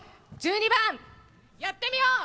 １２番「やってみよう」！